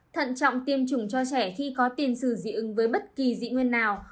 thận trọng tiêm chủng cho trẻ khi có tiền sử dị ứng với bất kỳ dị nguyên nào